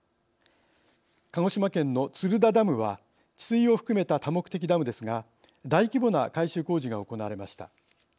鹿児島県の鶴田ダムは治水を含めた多目的ダムですが大規模な改修工事が行われました。